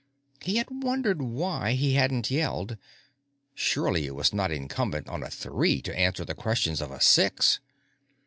He had wondered why he hadn't yelled; surely it was not incumbent on a Three to answer the questions of a Six.